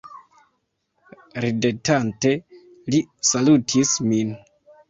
Ridetante li salutis min.